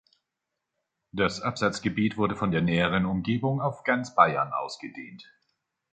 Das Absatzgebiet wurde von der näheren Umgebung auf ganz Bayern ausgedehnt.